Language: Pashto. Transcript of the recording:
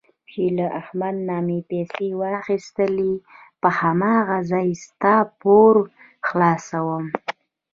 چې له احمد نه مې پیسې واخیستلې په هماغه ځای ستا پور خلاصوم.